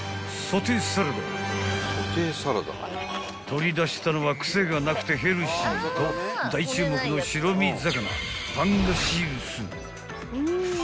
［取り出したのはクセがなくてヘルシーと大注目の白身魚パンガシウス］